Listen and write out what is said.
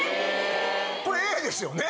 これ「え！」ですよね？